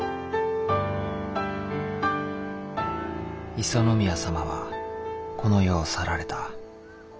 五十宮様はこの世を去られた。